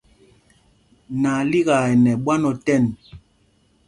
Nalíkaa ɛ nɛ ɓwán otɛn.